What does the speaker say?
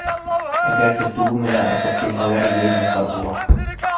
Әгәр көтөүе менән осоп килһәләр, йәй насар була.